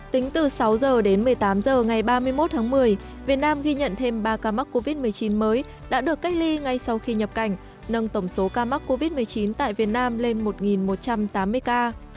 tính từ sáu h đến một mươi tám h ngày ba mươi một tháng một mươi việt nam ghi nhận thêm ba ca mắc covid một mươi chín mới đã được cách ly ngay sau khi nhập cảnh nâng tổng số ca mắc covid một mươi chín tại việt nam lên một một trăm tám mươi ca